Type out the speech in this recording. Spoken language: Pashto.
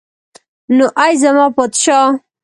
نو ای زما پادشاه.